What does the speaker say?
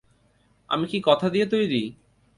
আমি কি কথা দিয়ে তৈরি?